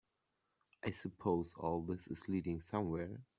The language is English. I suppose all this is leading somewhere?